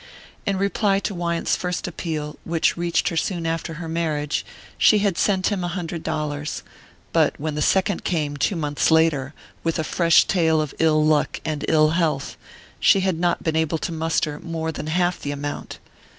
In reply to Wyant's first appeal, which reached her soon after her marriage, she had sent him a hundred dollars; but when the second came, some two months later with a fresh tale of ill luck and ill health she had not been able to muster more than half the amount.